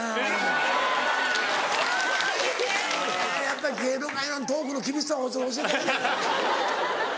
やっぱり芸能界はトークの厳しさを教えて。